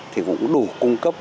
thì cũng đủ cung cấp